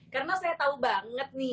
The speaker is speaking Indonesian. karena saya tahu banget nih